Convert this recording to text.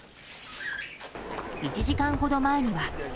１時間ほど前には。